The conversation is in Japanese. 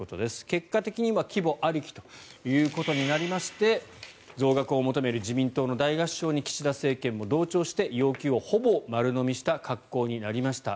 結果的に、規模ありきということになりまして増額を求める自民党の大合唱に岸田政権も同調して要求をほぼ丸のみした格好になりました。